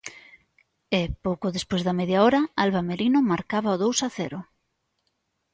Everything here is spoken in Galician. E, pouco despois da media hora, Alba Merino marcaba o dous a cero.